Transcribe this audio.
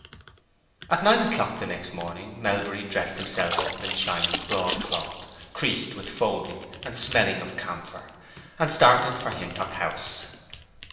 At nine o'clock the next morning Melbury dressed himself up in shining broadcloth, creased with folding and smelling of camphor, and started for Hintock House.